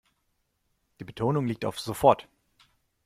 Die Betonung liegt auf sofort.